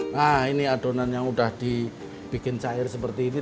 nah ini adonan yang udah dibikin cair seperti ini